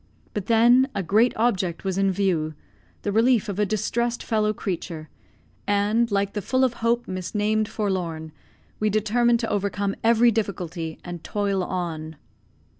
But, then, a great object was in view, the relief of a distressed fellow creature, and like the "full of hope, misnamed forlorn," we determined to overcome every difficulty, and toil on.